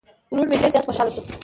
ورور مې ډير زيات خوشحاله شو